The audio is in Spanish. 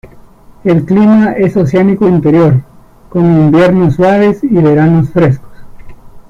El clima es oceánico interior, con inviernos suaves y veranos frescos.